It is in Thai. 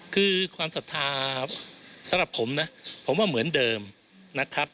คือความศรัทธาสำหรับผมนะผมว่าเหมือนเดิมนะครับ